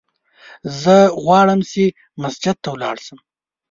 زه غواړم چې مسجد ته ولاړ سم!